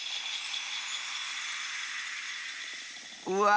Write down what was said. うわ！